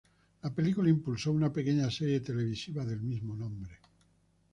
La película impulso una pequeña serie televisiva del mismo nombre.